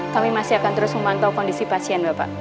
kami masih akan terus memantau kondisi pasien bapak